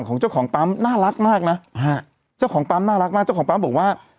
น่ารักมากนะเจ้าของปั๊มน่ารักมากเจ้าของปั๊มบอกว่า